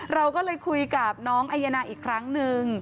เราก็เลยคุยกับน้องอายนายอีกครั้งนึง